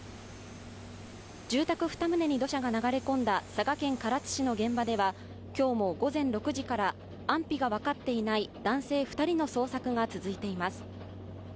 住宅２棟に土砂が流れ込んだ佐賀県唐津市の現場では今日も午前６時から安否が分かっていない男性２人の捜索が続いています。